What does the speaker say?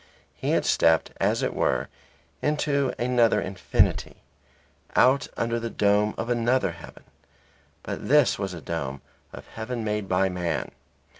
He had stepped as it were into another infinity, out under the dome of another heaven. But this was a dome of heaven made by man.